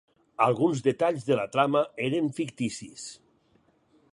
Alguns detalls de la trama eren ficticis.